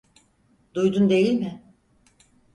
Duydun değil mi?